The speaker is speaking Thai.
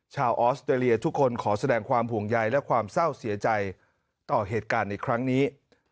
ออสเตรเลียทุกคนขอแสดงความห่วงใยและความเศร้าเสียใจต่อเหตุการณ์ในครั้งนี้